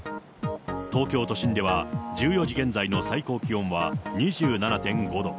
東京都心では１４時現在の最高気温は２７．５度。